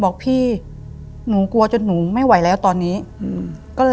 บอกพี่หนูกลัวจนหนูไม่ไหวแล้วตอนนี้อืมก็เลย